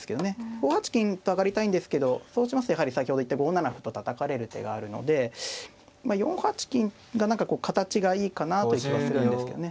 ５八金と上がりたいんですけどそうしますとやはり先ほど言った５七歩とたたかれる手があるのでまあ４八金が何かこう形がいいかなという気はするんですけどね。